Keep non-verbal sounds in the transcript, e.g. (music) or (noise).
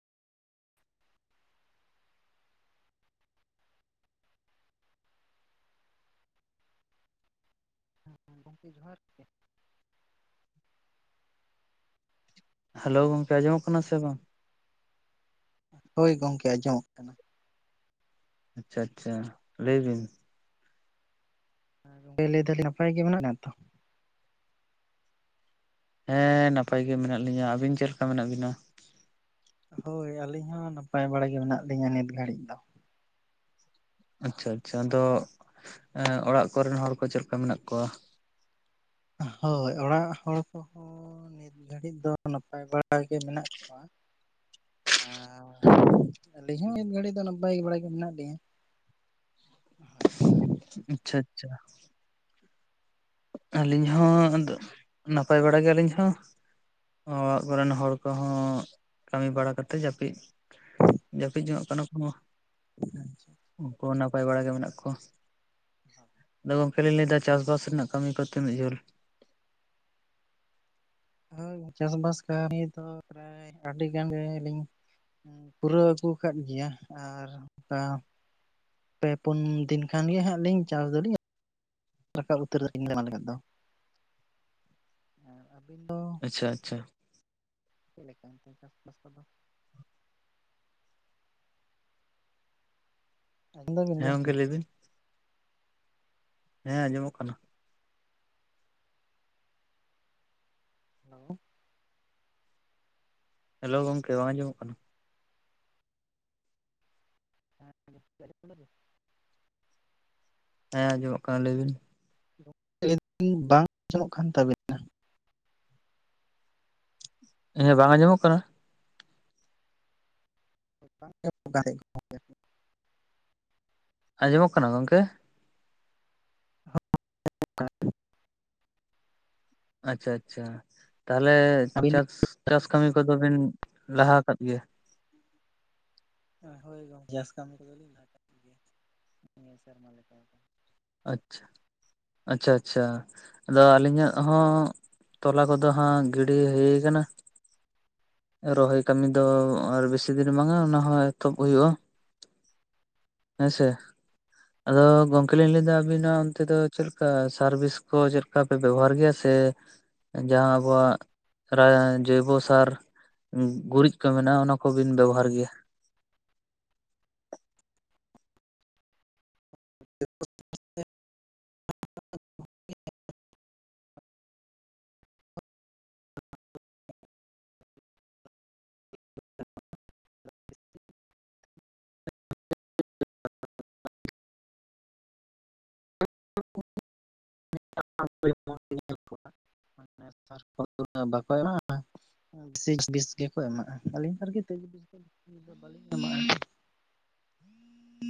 (inaudible) ᱜᱚᱢᱠᱮ ᱡᱚᱦᱟᱨ ᱜᱮ। ᱦᱮᱞᱳ ᱜᱚᱝᱠᱮ ᱟᱸᱡᱚᱢᱚᱜ ᱠᱟᱱᱟ ᱥᱮ ᱵᱟᱝ? ᱦᱳᱭ ᱜᱚᱝᱠᱮ ᱟᱸᱡᱚᱢᱚᱜ ᱠᱟᱱᱟ। ᱟᱪᱪᱷᱟᱼᱟᱪᱪᱷᱟ ᱞᱟᱹᱭ ᱵᱤᱱ। (inaudible) ᱞᱟᱹᱭ ᱫᱟ ᱞᱤᱧ ᱱᱟᱯᱟᱭ ᱜᱮ ᱢᱮᱱᱟᱜ (inaudible) ᱛᱚ? ᱦᱮᱸ ᱱᱟᱯᱟᱭ ᱜᱮ ᱢᱮᱱᱟᱜ ᱞᱤᱧᱟ ᱟᱹᱵᱤᱱ ᱪᱮᱫ ᱞᱮᱠᱟ ᱢᱮᱱᱟᱜ ᱵᱤᱱᱟ? ᱦᱳᱭ ᱟᱹᱞᱤᱧ ᱦᱚᱸ ᱱᱟᱯᱟᱭ ᱵᱟᱲᱟ ᱜᱮ ᱢᱮᱱᱟᱜ ᱞᱤᱧᱟᱹ ᱱᱤᱛ ᱜᱷᱟᱹᱲᱤᱡ ᱫᱚ। ᱟᱪᱪᱷᱟ ᱟᱪᱪᱷᱟ ᱟᱫᱚ ᱚᱲᱟᱜ ᱮ ᱠᱚᱨᱮᱱ ᱦᱚᱲ ᱠᱚ ᱪᱮᱫ ᱞᱮᱠᱟ ᱢᱮᱱᱟᱜ ᱠᱚᱣᱟ? ᱦᱳᱭ ᱚᱲᱟᱜ ᱦᱚᱲ ᱠᱚᱦᱚᱸᱻ, (inaudible) ᱱᱤᱛ ᱜᱷᱟᱹᱲᱤᱡ ᱫᱚ ᱱᱟᱯᱟᱭ ᱵᱟᱲᱟ ᱜᱮ ᱢᱮᱱᱟᱜ ᱠᱚᱣᱟ। ᱟᱻ ᱟᱹᱞᱤᱧ ᱦᱚᱸ ᱱᱤᱫ ᱜᱷᱟᱹᱲᱤᱡ ᱫᱚ ᱱᱟᱯᱟᱭ ᱵᱟᱲᱟ ᱜᱮ ᱢᱮᱱᱟᱜ ᱞᱤᱧᱟᱹ। ᱦᱳᱭ। ᱟᱪᱪᱷᱟᱼᱟᱪᱪᱷᱟ। ᱟᱹᱞᱤᱧ ᱦᱚᱸ ᱟᱫᱚ ᱱᱟᱯᱟᱭ ᱵᱟᱲᱟ ᱜᱮᱭᱟᱞᱤᱧ ᱦᱚᱸ। (unintelligible) ᱦᱚᱲ ᱠᱚᱦᱚᱸ, ᱠᱟᱹᱢᱤ ᱵᱟᱲᱟ ᱠᱟᱛᱮᱜ (inaudible) ᱡᱟᱹᱯᱤᱫ, ᱡᱟᱹᱯᱤᱫ ᱡᱚᱝᱟᱜ ᱠᱟᱱᱟ ᱠᱚ᱾ ᱩᱱᱠᱩ ᱦᱚᱸ ᱱᱟᱯᱟᱭ ᱵᱟᱲᱟ ᱜᱮ ᱢᱮᱱᱟᱜ ᱠᱚᱣᱟ᱾ (unintelligible) ᱟᱫᱚ ᱜᱚᱝᱠᱮ ᱞᱤᱧ ᱞᱟᱹᱭ ᱫᱟ ᱪᱟᱥ-ᱵᱟᱥ ᱨᱮᱱᱟᱜ ᱠᱟᱹᱢᱤ ᱠᱚ ᱛᱤᱱᱟᱹᱜ ᱡᱷᱟᱹᱞ᱾ ᱦᱳᱭ ᱪᱟᱥᱵᱟᱥ ᱠᱟᱹᱢᱤ ᱫᱚ ᱯᱨᱟᱭ ᱟᱹᱰᱤ ᱜᱟᱱ ᱜᱮᱞᱤᱧ ᱯᱩᱨᱟᱹᱣ ᱟᱹᱜᱩ ᱟᱠᱟᱫ ᱜᱮᱭᱟ ᱟᱨ ᱚᱱᱠᱟ ᱯᱮ ᱯᱩᱱ ᱫᱤᱱ ᱠᱷᱟᱱ ᱜᱮ ᱦᱟᱸᱜ ᱞᱤᱧ ᱪᱟᱥ (unintelligible) ᱨᱟᱠᱟᱵ (unintelligible) ᱡᱟᱦᱟᱸ ᱞᱮᱠᱟ ᱫᱚ᱾ (inaudible) ᱟᱨ ᱟᱹᱵᱤᱱ ᱫᱚ? ᱟᱪᱪᱷᱟᱼᱟᱪᱪᱷᱟ᱾ ᱪᱮᱫ ᱞᱮᱠᱟ ᱚᱱᱛᱮ ᱪᱟᱥ-ᱵᱟᱥ ᱠᱚᱫᱚ? ᱟᱸᱡᱚᱢ ᱫᱟᱵᱤᱱ ᱦᱮᱸ ᱜᱚᱝᱠᱮ ᱜᱚᱢᱠᱮ? ᱞᱟᱹᱭ ᱵᱤᱱ ᱦᱮᱸ ᱟᱸᱡᱚᱢᱚᱜ ᱠᱟᱱᱟ᱾ ᱦᱮᱞᱳᱻ ᱦᱮᱞᱳ ᱜᱚᱢᱠᱮ ᱵᱟᱝ ᱟᱸᱡᱚᱢᱚᱜ ᱠᱟᱱᱟ? ᱦᱮᱸ (unintelligible) ᱦᱮᱸ ᱟᱸᱡᱚᱢᱚᱜ ᱠᱟᱱᱟ ᱞᱟᱹᱭ ᱵᱤᱱ᱾ ᱜᱚᱢᱠᱮ ᱞᱟᱹᱭ ᱫᱟᱞᱤᱧ ᱵᱟᱝ ᱟᱸᱡᱚᱢᱚᱜ ᱠᱟᱱ ᱛᱟᱵᱤᱱᱟ᱾ ᱦᱮᱸ ᱵᱟᱝ ᱟᱸᱡᱚᱢᱚᱜ ᱠᱟᱱᱟ? (unintelligible) ᱟᱸᱡᱚᱢᱚᱜ ᱠᱟᱱᱟ ᱜᱚᱝᱠᱮ? (unintelligible) ᱟᱪᱪᱷᱟ-ᱟᱪᱪᱷᱟ ᱛᱟᱦᱚᱞᱮ ᱟᱹᱵᱤᱱ ᱪᱟᱥ, ᱪᱟᱥ ᱠᱟᱹᱢᱤ ᱠᱚᱫᱚ ᱵᱤᱱ ᱞᱟᱦᱟ ᱟᱠᱟᱫ ᱜᱮᱭᱟ᱾ ᱦᱳᱭ ᱜᱚᱢᱠᱮ ᱪᱟᱥ ᱠᱟᱹᱢᱤ ᱠᱚᱫᱚ ᱞᱤᱧ ᱞᱟᱦᱟ ᱟᱠᱟᱫ ᱜᱮᱭᱟ, ᱱᱤᱭᱟᱹ ᱥᱮᱨᱢᱟ ᱞᱮᱠᱟ ᱫᱚ᱾ ᱟᱪᱪᱷᱟ, ᱟᱪᱪᱷᱟ-ᱟᱪᱪᱷᱟ ᱟᱫᱚ ᱟᱹᱞᱤᱧᱟᱜ ᱦᱚᱸᱼ ᱛᱚᱞᱟ ᱠᱚᱫᱚ ᱦᱟᱸᱜ ᱜᱤᱰᱤ ᱦᱟᱹᱭ ᱟᱠᱟᱱᱟ᱾ ᱨᱚᱦᱚᱭ ᱠᱟᱹᱢᱤ ᱫᱚ ᱟᱨ ᱵᱮᱥᱤ ᱫᱤᱱ ᱵᱟᱝᱟ ᱚᱱᱟᱦᱚᱸ ᱮᱛᱚᱦᱚᱵ ᱦᱩᱭᱩᱜ-ᱟ᱾ ᱦᱮᱸᱥᱮ, ᱟᱫᱚ ᱜᱚᱝᱠᱮ᱾ ᱟᱫᱚ ᱞᱤᱧ ᱞᱟᱹᱭ ᱫᱟ ᱟᱵᱤᱱᱟᱜ ᱚᱱᱛᱮ ᱫᱚ ᱪᱮᱫ ᱞᱮᱠᱟ ᱥᱟᱨᱵᱷᱤᱥ ᱠᱚ ᱪᱮᱫ ᱠᱟ ᱯᱮ ᱵᱮᱵᱚᱦᱟᱨ ᱜᱮᱭᱟ ᱥᱮ- ᱡᱟᱦᱟᱸ ᱟᱵᱚᱣᱟᱜ (inaudible) ᱯᱨᱟᱭ ᱡᱳᱭᱵᱚ ᱥᱟᱨ, ᱜᱩᱨᱤᱡ ᱠᱚ ᱢᱮᱱᱟᱜ-ᱟ ᱚᱱᱟ ᱠᱚᱵᱤᱱ ᱵᱮᱵᱚᱦᱟᱨ ᱜᱮᱭᱟ? (inaudible) (inaudible) (unintelligible) ᱱᱮᱛᱟᱨ (unintelligible) ᱵᱟᱠᱚ ᱮᱢᱟ᱾ ᱵᱤᱥᱤ ᱵᱩᱥ ᱜᱮᱠᱚ ᱮᱢᱟᱜ-ᱟ, ᱟᱹᱞᱤᱧ (unintelligible) ᱵᱟᱹᱞᱤᱧ ᱮᱢᱟᱜᱼᱟ᱾